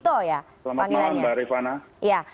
selamat malam mbak rifana